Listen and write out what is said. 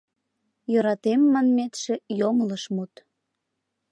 «Йӧратем» манметше — йоҥылыш мут.